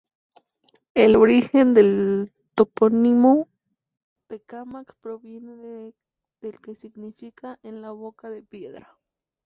El origen del topónimo "Tecámac" proviene del que significa "en la boca de piedra".